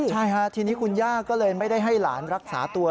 ใช่ค่ะทีนี้คุณย่าก็เลยไม่ได้ให้หลานรักษาตัว